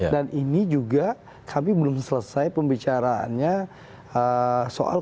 dan ini juga kami belum selesai pembicaraannya soal koalisi ini lebih matang